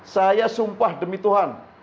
saya sumpah demi tuhan